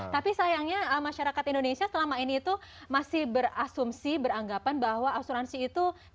tapi sayangnya masyarakat indonesia selama ini itu masih berasumsi beranggapan bahwa asuransi itu